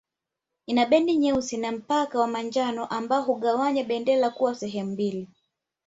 Ina bendi nyeusi na mpaka wa manjano ambao hugawanya bendera kuwa sehemu mbili